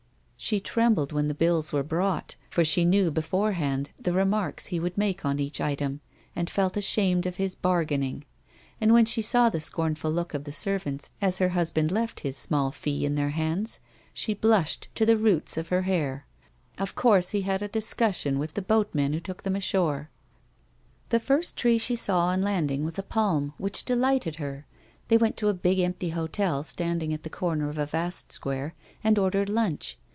She trembled when the bills were brought, for she knew beforehand the remarks he would make on each item, and felt ashamed of his bargain ing; and when she saw the scornful look of the servants as 66 A WOMAN'S LIFE. her husband left his small fee in their hands, she blushed to the roots of her hair. Of coarse he had a discussion with the boatman who took them ashore. The first tree she saw on landing was a palm, which delighted her. They went to a big empty hotel standing at the corner of a vast square, and ordered lunch.